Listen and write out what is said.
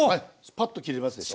パッと切れますでしょ。